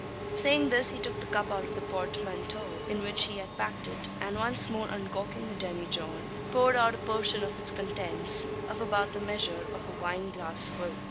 Saying this, he took the cup out of the portmanteau, in which he had packed it; and, once more uncorking the demijohn, poured out a portion of its contents of about the measure of a wineglassful.